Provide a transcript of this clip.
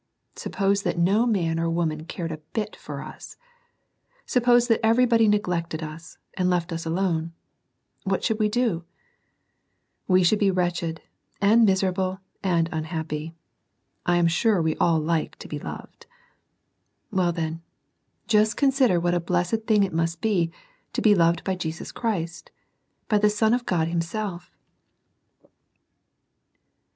Suppose that no man or woman cared a bit for us, — suppose that everybody neglected us, and left us alone ; what should we do ? We should be wretched, and miserable, and unhappy! I am sure we all like to be loved. Well, then, just consider what a blessed thing it must be to be loved by Jesus Christ, — ^by the Son of God Himself.